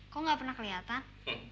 kok gak pernah kelihatan